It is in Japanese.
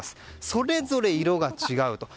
それぞれ色が違うと。